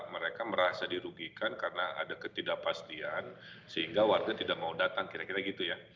mereka merasa dirugikan karena ada ketidakpastian sehingga warga tidak mau datang kira kira gitu ya